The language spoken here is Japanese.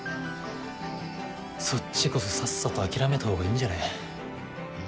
そっちこそさっさと諦めたほうがいいんじゃね？